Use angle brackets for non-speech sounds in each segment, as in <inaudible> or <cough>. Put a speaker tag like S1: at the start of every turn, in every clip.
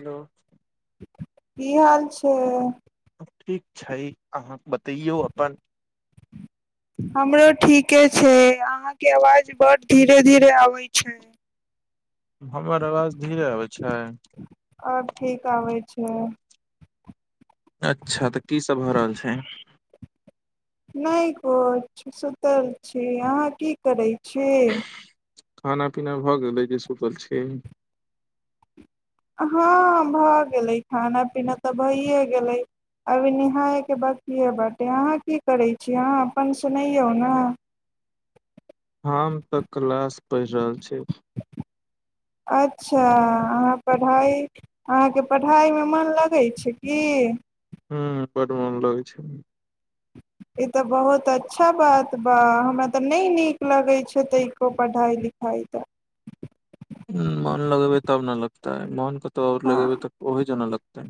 S1: Hello
S2: की हाल छै
S1: ठीक छै अहाँ बतैयौ अपन
S2: हमरो ठीके छै अहाँके आवाज बड धीरे धीरे आबै छै
S1: हमर आवाज धीरे आबै छै
S2: आब ठीक आबै छै
S1: अच्छा तऽ कीसभ भऽ रहल छै
S2: नहि किछु सुतल छी अहाँ की करैत छी
S1: खाना पीना भऽ गेलै जे सुतल छि
S2: हँ भऽ गेलै खाना पीना तऽ भइए गेलै अभी निहायके बकिए बटे अहाँ की करै छै अहाँ अपन सुनैयौ ने
S1: हम तऽ क्लास पढ़ि रहल छी
S2: अच्छा अहाँ पढ़ाइ अहाँके पढ़ाइमे मन लगै छै की
S1: ह बड मन लगै छै
S2: ई तऽ बहुत अच्छा बात बा हमरा तऽ नहि नीक लगै छै तैको पढ़ाइ लिखाइ तऽ
S1: मोन लगेबै तब न लगताै मोन क तऽऔर
S2: हँ
S1: लगेबे तक ओहहि जाना लगत है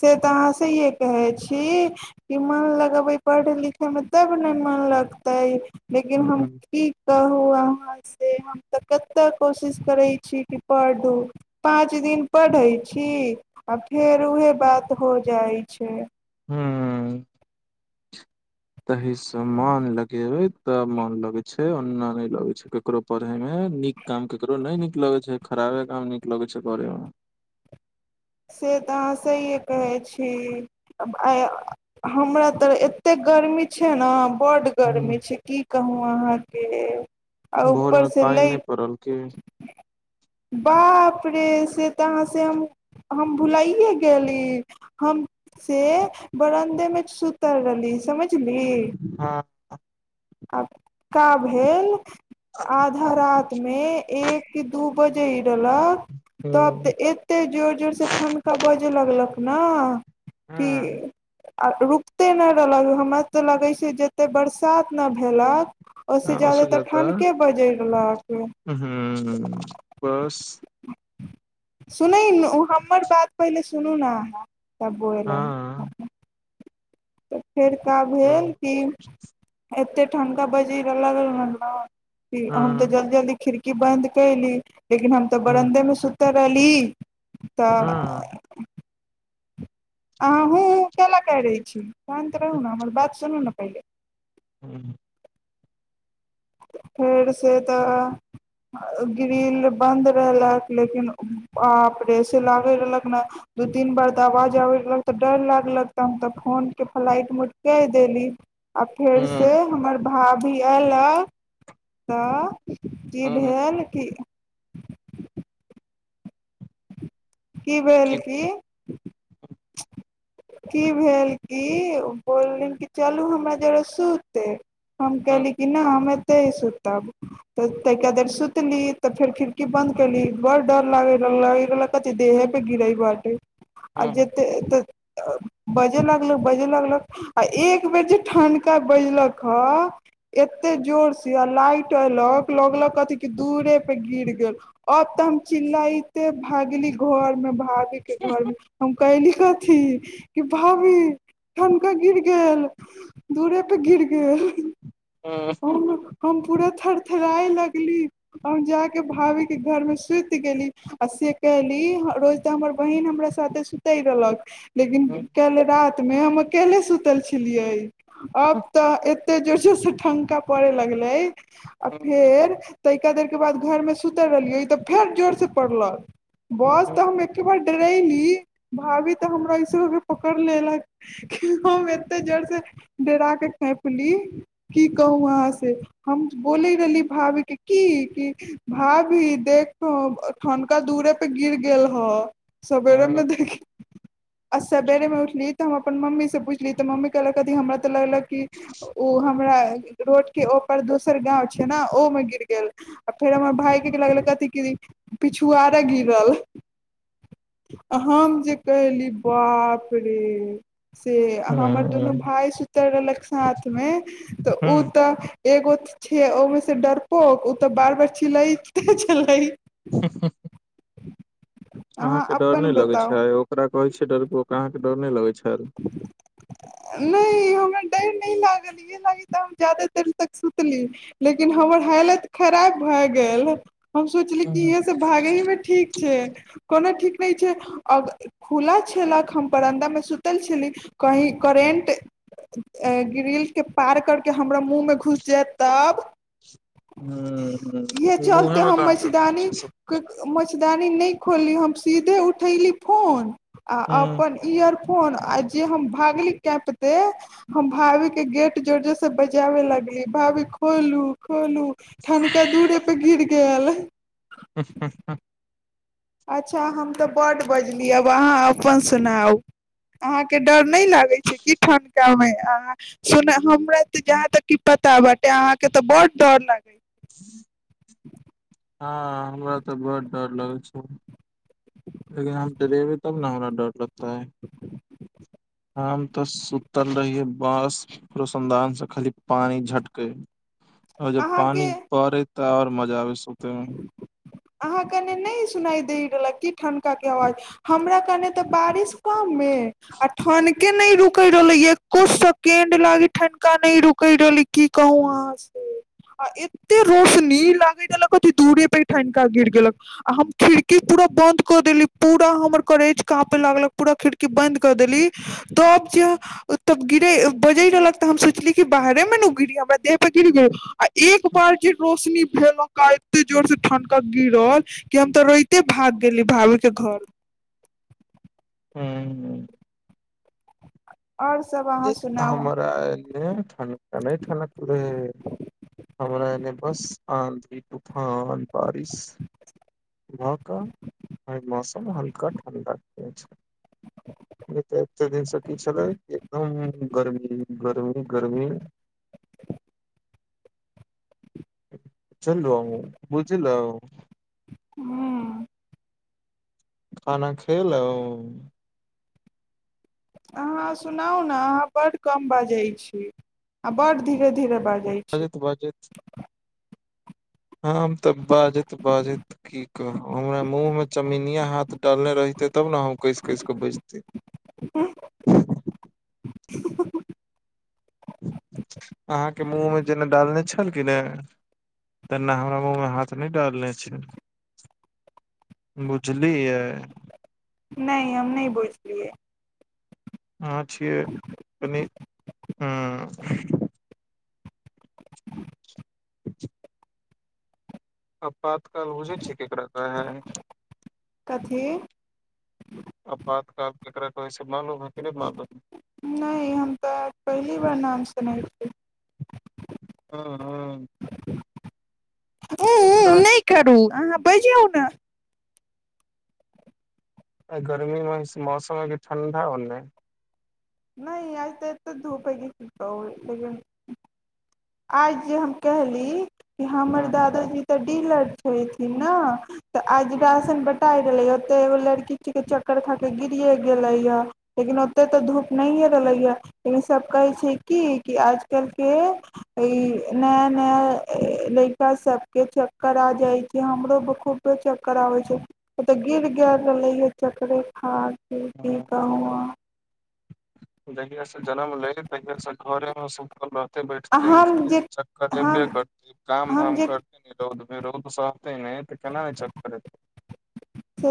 S2: से तऽ अहाँसँए कहै छी कि मन लगबै पढ़य लिखयमे तब ने मन लगतै लेकिन हम
S1: ह
S2: की कहू अहाँ से हम तऽ कतेक कोशिश करैत छी कि पढ़ू पाँच दिन पढ़ैत छी आ फेर उएहे बात हो जाइ छै
S1: हुँ म तहीसँ मन लगेबै तब मोन लगै छै ओना नहि लगै छै केकरो पढ़यमे नीक काम केकरो नहि नीक लगै छै खराबे काम नीक लगै छै करय मे
S2: से तऽ अहाँ सहिए कहै छी आइ हमरा तऽ एतेक गर्मी छै नऽ बड्ड
S1: हम्म
S2: गर्मी छै की कहू अहाँ क आ
S1: भोर
S2: ऊपर
S1: में
S2: से
S1: पानि
S2: लै
S1: नहि पड़ल की
S2: बाप रे से तहाँसँ हम हम भुलाइे गेली हम से बरन्दे मे सुतल रहली समझ पछली
S1: हँ
S2: हँ का भेल आध रात मे एक के दू बजे तब तऽ
S1: हँ
S2: एते जोर जोर से ठण्ड का बज जे लगलक ने की
S1: हँ
S2: आ रुकते नहि रहलक हमरा तऽ लगै छै जते बरसात कतना भेलक ओहिसँ
S1: ओस
S2: ज्यादातर
S1: जादा
S2: ठण्ढके बजरि रहलक
S1: ह बस
S2: सुन हमर बात पहिले सुनू ने अहाँ बबो एल
S1: हँ
S2: त फेड़का भेल
S1: हँ
S2: क एते ठण्डा बजिऽ लगल ने ठ ह त
S1: हँ
S2: जल्द जल्ी खिर की बन्द कल लेकिन हम तऽ
S1: हँ
S2: बरन्दे में सु तरली तऽ
S1: हँ
S2: अहहूँ क ल कैत छी शानत रहू ने हमर बात सुनू ने थू
S1: ह्म
S2: फेरसँ तऽ ग्रिल बन्द रहलक लेकिन ऑपरेस लागैत रहलक ने दू तीन बार तऽ आवाज आबैत रहलक तऽ डर लागलक तऽ हम तऽ फोनके फ्लाइट मोट कहि देली आ फेर से हमर भभि अलक तऽ की
S1: हँ
S2: भेल क की भेल की की भेल कि ओ बोललिन कि चलू हमरा जर सुतै हम कहली कि नहि हममे सुते ह सुतब तऽ ताहिदर सुतली तऽ फेर खिड़की बन्द कली बड़ डर ल लग कति देह है पेगी रहहि बारटे आ जत त बजे लागल बजे लगल आ एक बेर जे ठनका बैजलक ह एते जोर से आ लाइट ऐलक लगलक कथी क दूरे पे गिर गेल अब ते हम चिललाईते खा गेली घर में भात के घर मे हम कली कथी कि भाभी ठनका गिर गेल दूरे पे गिर गेल हम हम पूरा थर उथराइ लगली आ जा कऽ भाभीके घरमे सुति गेली आ से कयली रोज तऽ हमर बहीन हमरा साथे सुतय रहलक लेकिन कले रात त मे हम अकेले सुतल छलियै आब तऽ एक तऽ जोर जोर से ठनका ा पड़े लगै आ फेर तऽ एका देरके बाद घरमे सुतल रहलियै ई तऽ फेर जोरसँ पड़लक बस तऽ हम एके बार डरैली भाभी तऽ हमरा ईस के पकड़ लेलक हम एते जर से डरा के खेपली क कहू वहाँ से हम बोले रहली भाभी के की क भाभी देख ठनका दूरे पे गिर गेल ह सबेरममे देखी अ स बेेरमे उठल तऽ हम अपन मम्मी से पूछली तऽ मम्मी कहलक अद हमरा तऽ लगलक क ओ हमरा रोड के पर दोसर गाव छै ने ओमे गिर गेल आ फेर हमर भााय के लगले कथि क पिछुआरा गिरल हम जे कहली बाप रे से हमर दुनू भााय सुतल रहलक साथमे तऽ ओ एगो छै ओमे से डरपोक ओ तऽ बार बार चिलई छलै
S1: ह ह
S2: अहाँ
S1: अहाँके डर
S2: अपन
S1: नहि लगै
S2: बताउ
S1: छै ओकरा कहै छै डर अ के डर नहि लगे छै खल
S2: नहि हमरा डर नहि लागल इएह लागल तऽ हम ज्यादा देर तक सुतली लेकिन हमर हालत खराब भए गेल हम सोचली कि इहे सब भागे ही मे ठीक छै कोना ठीक छै खुला छलक हम परन्दा मे सुतल छली कही करेन्ट ग्रिलके पार करके हमरा मुँहमे घुसि जायत तब
S1: हुँ
S2: इहे
S1: हुँ
S2: चलते हम
S1: उएहेमे
S2: मच्छदानी
S1: तऽ अहाँके
S2: मच्छदानी नहि खोली हम सीधे उठयली फोन आ
S1: हम्म,
S2: अपन ईअर फोन आ जे हम भागली क पते हम भाभी के गेट जोर जोर से बजाबे लगली भाभी खोलू खोलु ठनका दूेरे पे गिर गेल के हलेय
S1: हुँ हुँ हुँ म
S2: अच्छा हम तऽ बड्ड बजली आब अहाँ अपन सुनाउ अहाँकेँ डर नहि लागैत छै की ठनकामे अहाँन हमरा तऽ जहाँ तक कि पता बटे अहाँकेँ तऽ बड्ड डर लगैत
S1: हू हँ हमरा तऽ बड डर लगै छै लेकिन हम डरेबी तब ने हमरा डर लगत
S2: ह
S1: हमाम तऽ सुतल रहियै बाँस रोशनदान सँ खाली पानी झटकै आओर जब
S2: अहाँके
S1: पानी पड़ैत ताऔर मजा भी सुते मे
S2: अहाँ कने नहि सुनाई द रहले की ठनका के आवाज हमरा कने तऽ बारिश कम मे आ ठनके नहि रुक रहले एको सेकेंड लागी ठनका नहि रुक रहले की कहू अहाँ से आ एते रोशनी लागे रहले कथी दूरे पर ठिनका गिर गेलक आ हम खिड़की पूरा बंद कर देली पूरा हमर करेज कह पे लागलक पूरा खिड़की बंद कर देली तब जे तब गिरे बजे रहलक ते हम सोचली क बाहरे मे ने गिरी हमरा देह पे गिर गेल आ एक बार जे रोशनी भेलका एते जोर से ठनक गिरल कि हम तऽ रोते भाग गेली भभू के घर
S1: हुँ
S2: आओर सभ अहाँ सुनाउ
S1: हमरा एने ठानक नहि ठानकलय हमरा एने बस आधी तूफान बारिस भ क आ मौसम हल्का ठण्डाक छै नहि तऽ एक दिनसँ की छलै एकदम गर्मी गर्मी गर्मी चल बुझलहुँ
S2: ह
S1: खाना खेलहुँ
S2: अहाँ सुनाउ ने अहाँ बड्ड कम बाजैत छी आ बड्ड धीरे धीरे बाजैत
S1: बाजत बाजत हम तब बाजैत बाजैत की कहू हमरा मुँह मे चमीनिया हाथ डालने रहिते तब ने हम कसि कस कऽ बैजते
S2: ह ह -
S1: अहाँके मुँहमे जेना डालने छलखिन ने तेना हमरा मुँहमे हाथ नहि डालने छै बुझलियै
S2: नहि हम नहि बुझलिए
S1: अहाँ छियै कनी हुँ <inaudible> आपातकाल बुझैय छिय केकरा रह
S2: कथी
S1: अपपात तब केकरा कहैसे मालूम है
S2: नहि हम तऽ पहिली बार नाम सुनै छी
S1: हँ हँ
S2: हुँ हुँ नहि करू अहाँ बजीयौ न
S1: आय गर्मीमे मौसममे कि ठण्डा होले
S2: नहि आ तऽ तऽ धूपै हैय की कहु आइ जे हम कहली हमर
S1: हँ
S2: दादाजी तऽ पीलर धोयेथिन न तऽ अज रासन ब कटाइ रहलैए ओतेक एगो लड़की छे चक्कर खा कऽ गिरए गेलैए लेकिन ओतेक तऽ धूप नहिए रहलैए लेकिन सभ कहै छै कि कि आज कलके इ नया नया लड़का सबके चक्कर आ जाइ छै हमरो खूबके चक्कर आबै छै ओ तऽ गिर गेल रहलै ह चक्करे खार से की
S1: हूँ
S2: कहूँ अहाँ
S1: जहिया से जनम ले तहिया से घरे मे सुखल बैठत है
S2: अहाँ हम
S1: उठे
S2: जे
S1: चक्कर ले
S2: हम
S1: करते काम
S2: हम
S1: धाम
S2: जे
S1: करते नि रौद रोद सत ह नहि तऽ केना नहि चककर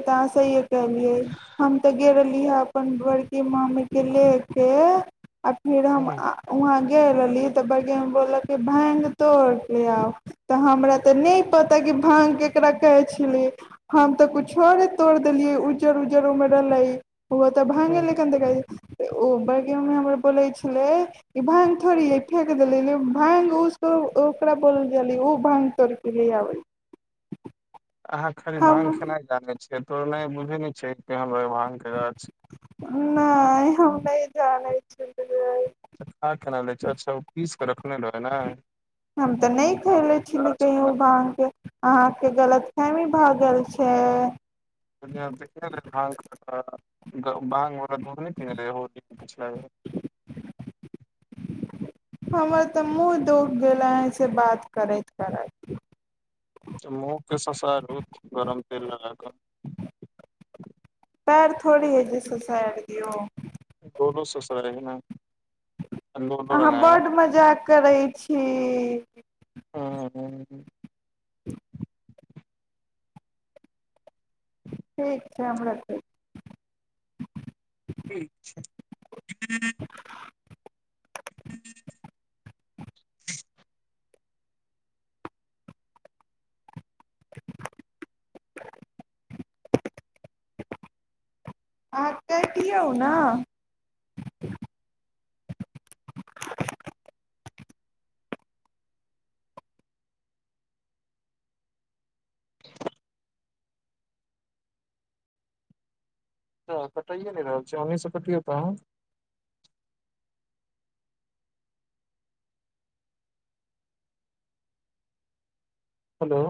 S2: कहहाँ सी कहलियए हम ते गेल रहली है अपन घरकेी माँ मे गेलिए लेके फेर हम
S1: हम्म,
S2: आ वहाँ कए लेलिय त बरज्ञानं बोलल कए भाँग तोड़ कें आउ त हमरा त नहि पता भाग केकरा कहै छल छर तोड़ि देलियै उज्जर उज्जर उमे रहलै ओहो तऽ भाँगे
S1: हम्म।
S2: लेक देखाय तऽ ओ बड़गीममे हमर बोलै छलै ई भाँङग थोड़ियै फेेक देलै भाँङग ओसभ ओकरा बोल गेलियै ओ भाँङ्ग तोड़य क लि आबै
S1: अहाँ खाली भाँग
S2: हम
S1: खेनाइ जानैत छी से तोर माय बुझए न छै के रभंगके गाछ
S2: नहि हम नहि जानै छलिए
S1: तऽ खा केना लै छै अच्छा ओ पीस कऽ रखने रहै ने
S2: हम तऽ नहि
S1: हँ
S2: खयले छली
S1: गाछ
S2: कही
S1: केना देख
S2: भग के अहाँके गलत खइमे भागल छै
S1: गहु भाँग दूध नहि पिन रहे होर दि छै
S2: टूट गेल अंहीं सँ बात करैत करैत
S1: मुँह के ससारू गरम तेल लगााकऽ
S2: पैर थोड़ी अजे ससाइड दियौ
S1: बोनो सोस रहे ने लोलो
S2: अहाँ
S1: रंगाही
S2: बड्ड मजाक करै छी
S1: हँ ह
S2: ठीक छै हमरा
S1: ठीक छै ह <inaudible>
S2: <inaudible> अहाँ कहि दियौ न
S1: त कटाइए नहि रहल छै ओन्हिसँ कटियो त हेलो